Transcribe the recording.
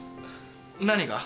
何が？